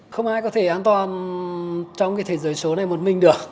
không ai có thể an toàn trong cái thế giới số này một mình được